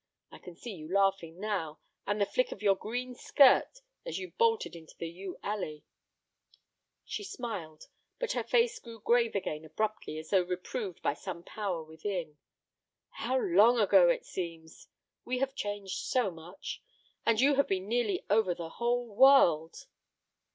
I can see you laughing now, and the flick of your green skirt as you bolted into the yew alley." She smiled, but her face grew grave again abruptly, as though reproved by some power within. "How long ago it seems! We have changed so much! And you have been nearly over the whole world!"